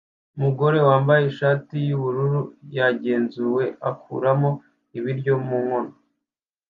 Umugore wambaye ishati yubururu yagenzuwe akuramo ibiryo mu nkono